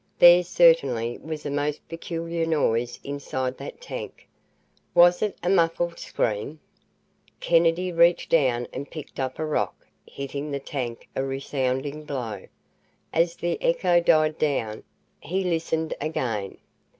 There certainly was a most peculiar noise inside that tank. Was it a muffled scream? Kennedy reached down and picked up a rock, hitting the tank a resounding blow. As the echo died down, he listened again.